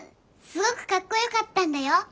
すごくかっこよかったんだよ。